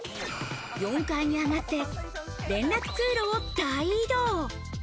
４階に上がって、連絡通路を大移動。